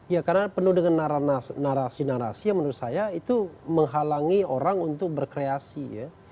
ya karena penuh dengan narasi narasi yang menurut saya itu menghalangi orang untuk berkreasi ya